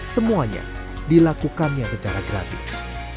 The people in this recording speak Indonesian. semuanya dilakukannya secara gratis